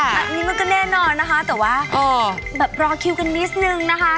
อันนี้มันก็แน่นอนว่าร้อคิวกันนิดนึงนะคะ